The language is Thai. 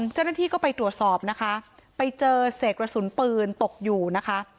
เจ้าหน้าที่ก็ไปตรวจสอบนะคะไปเจอเศษกระสุนปืนตกอยู่นะคะ